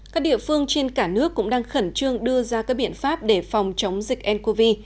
các địa phương trên cả nước cũng đang khẩn trương đưa ra các biện pháp để phòng chống dịch ncov